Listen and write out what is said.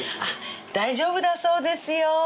大丈夫だそうですよ。